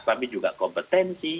tapi juga kompetensi